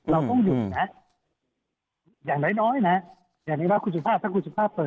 เราต้องหยุดนะอย่างน้อยน้อยนะอย่างนี้ว่าคุณสุภาพถ้าคุณสุภาพเปิด